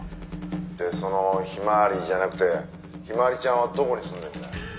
「でそのひまわりじゃなくて陽葵ちゃんはどこに住んでんだよ」